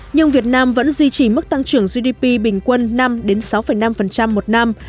nhưng việt nam vẫn duy trì mức tăng trưởng gdp bình quân năm sáu năm một năm